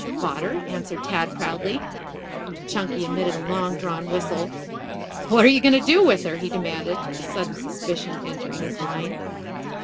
"Bought her," answered Tad proudly. Chunky emitted a long drawn whistle. "What are you going to do with her?" he demanded, a sudden suspicion entering his mind.